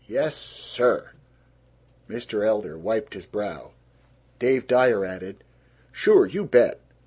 Yes SIR!" Mr. Elder wiped his brow. Dave Dyer added, "Sure! You bet!